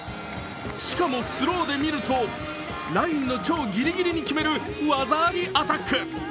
しかもスローで見るとラインの超ギリギリに決める技ありアタック。